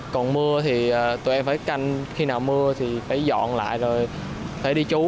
còn mưa thì tụi em phải canh khi nào mưa thì phải dọn lại rồi phải đi chú